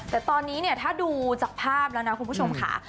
แต่ตอนนี้เนี่ยถ้าดูจากภาพแล้วนะคุณผู้ชมค่ะ